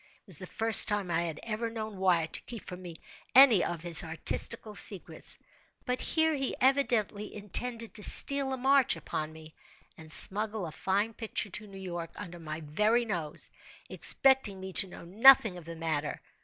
It was the first time I had ever known Wyatt to keep from me any of his artistical secrets; but here he evidently intended to steal a march upon me, and smuggle a fine picture to New York, under my very nose; expecting me to know nothing of the matter.